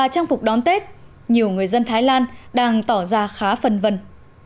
trang phục đón tết nhiều người dân thái lan đang tỏ ra khá phần vần